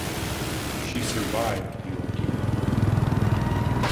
She survived the ordeal.